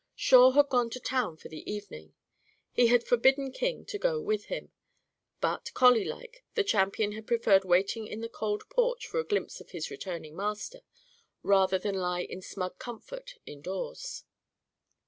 Shawe had gone to town for the evening. He had forbidden King to go with him. But, collie like, the champion had preferred waiting on the cold porch for a first glimpse of his returning master, rather than to lie in smug comfort indoors.